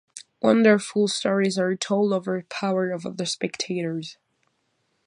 Wonderful stories are told of her powers over the spectators.